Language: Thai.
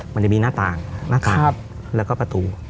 มันจะมีหน้าต่างหน้าต่างแล้วก็ประตู